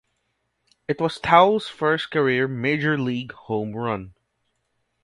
It was Towles' first career major league home run.